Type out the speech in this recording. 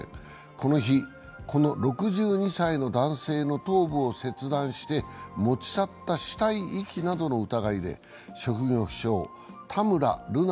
この日、この６２歳の男性の頭部を切断して持ち去った死体遺棄などの疑いで職業不詳・田村瑠奈